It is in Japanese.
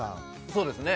そうですね。